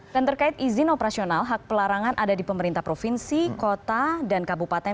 dan terkait izin operasional hak pelarangan ada di pemerintah provinsi kota dan kabupaten